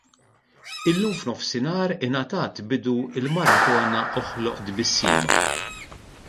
Illum f'nofsinhar ingħatat bidu l-maratona Oħloq Tbissima.